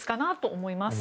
思います。